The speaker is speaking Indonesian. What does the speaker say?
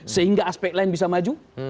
sehingga aspek lain bisa maju